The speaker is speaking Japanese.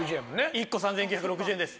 １個３９６０円です。